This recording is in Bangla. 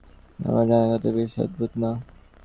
আমার ডাকনামটা বেশ অদ্ভুত না?